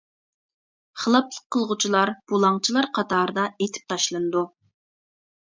خىلاپلىق قىلغۇچىلار بۇلاڭچىلار قاتارىدا ئېتىپ تاشلىنىدۇ!